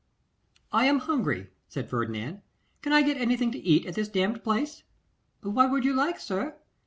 'I am hungry,' said Ferdinand. 'Can I get anything to eat at this damned place?' 'What would you like, sir?